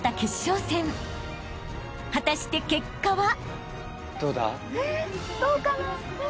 ［果たして結果は！？］